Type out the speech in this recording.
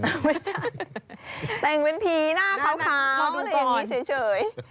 อ้าวไม่ใช่แต่เป็นผีหน้าคาวหรืออย่างงี้เฉย